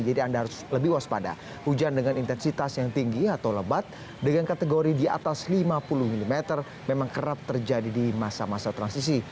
jadi anda harus lebih waspada hujan dengan intensitas yang tinggi atau lebat dengan kategori di atas lima puluh meter memang kerap terjadi di masa masa transisi